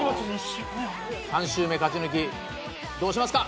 ３週目勝ち抜きどうしますか？